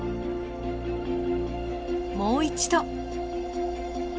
もう一度。